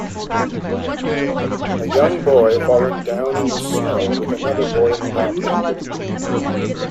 a young boy falling down into the snow with another boy in the background